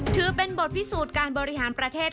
ถือเป็นบทพิสูจน์การบริหารประเทศ